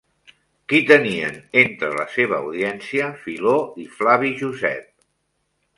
Qui tenien entre la seva audiència Filó i Flavi Josep?